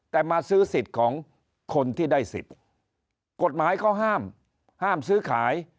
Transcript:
แต่มาซื้อสิทธิ์ของคนที่ได้สิทธิ์กฎหมายเขาห้ามห้ามซื้อขาย